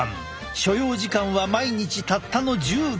所要時間は毎日たったの１０秒。